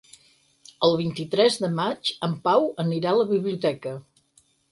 El vint-i-tres de maig en Pau anirà a la biblioteca.